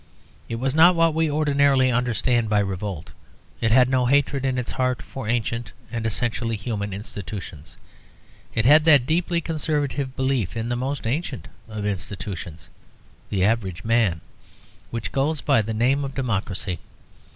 It was not what we ordinarily understand by revolt. It had no hatred in its heart for ancient and essentially human institutions. It had that deeply conservative belief in the most ancient of institutions, the average man, which goes by the name of democracy.